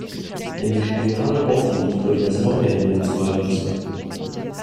Wenn die Spionage auffliegt, würde das noch mehr Öl ins Feuer gießen.